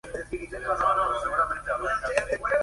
Contaba de una capilla y una tapia de piedra con una gran puerta.